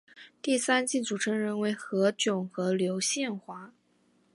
第三季主持人为何炅和刘宪华。